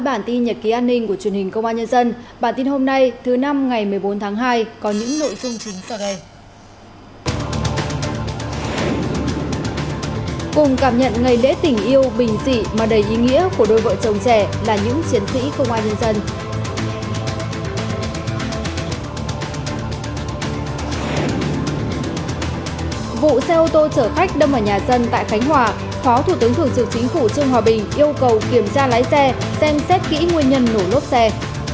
phó thủ tướng thượng trưởng chính phủ trương hòa bình yêu cầu kiểm tra lái xe xem xét kỹ nguyên nhân nổ lốp xe